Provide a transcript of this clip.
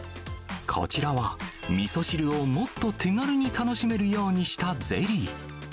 こちらは、みそ汁をもっと手軽に楽しめるようにしたゼリー。